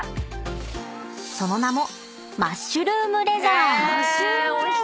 ［その名も］